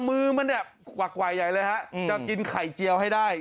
มือมันขวากวายใหญ่เลยฮะแล้วกินไข่เจียวให้ได้